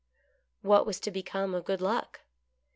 What was to become of Good Luck